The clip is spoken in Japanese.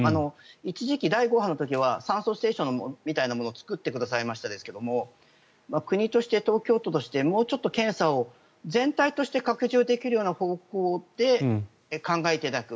一時期、第５波の時には酸素ステーションみたいなものを作ってくださいましたが国として東京都としてもうちょっと検査を全体的に拡充する方向で考えていただく。